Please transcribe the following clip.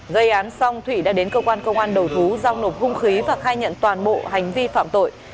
gây án xong thụy đã đến cơ quan công an đầu thú giao nộp hung khí và khai nhận toàn bộ hành vi phạm tội